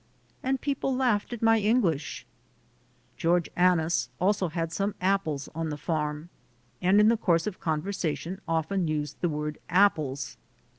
And people laughed at my English ! George Annis also had some apples on the farm, and in the course of conversation often used the word "apples."